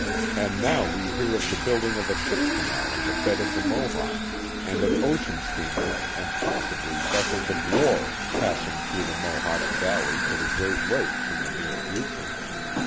And now we hear of the building of a ship canal in the bed of the Mohawk, and of ocean steamers and possibly ves sels of war passing through the Mohawk Valley to the Great Lakes, in the near future.